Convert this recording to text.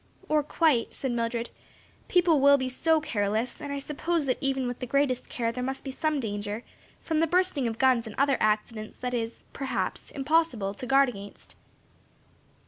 "Or quite," said Mildred; "people will be so careless; and I suppose that even with the greatest care there must be some danger, from the bursting of guns and other accidents that it is, perhaps, impossible to guard against."